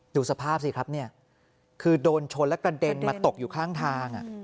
ดูสภาพสิครับเนี่ยคือโดนชนและกระเด็นมาตกอยู่ข้างทาง